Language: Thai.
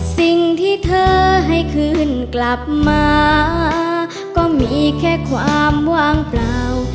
สิ่งที่เธอให้คืนกลับมาก็มีแค่ความว่างเปล่า